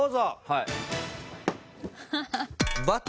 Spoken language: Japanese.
はい。